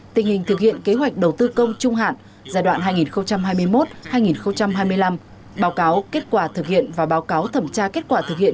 tình hình thực hiện kế hoạch đầu tư công trung hạn giai đoạn hai nghìn hai mươi một hai nghìn hai mươi năm báo cáo kết quả thực hiện và báo cáo thẩm tra kết quả thực hiện